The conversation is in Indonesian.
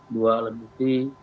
dua alat bukti